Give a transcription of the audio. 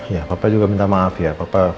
ya papa juga minta maaf ya